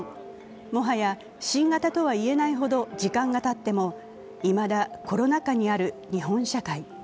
もはや新型とは言えないほど時間がたってもいまだコロナ禍にある日本社会。